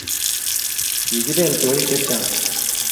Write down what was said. Kikipel chorik chechang